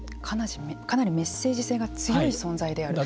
かなりメッセージ性が強い存在である？